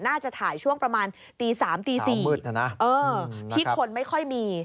น่าจะถ่ายช่วงประมาณตี๓ตี๔ที่คนไม่ค่อยมี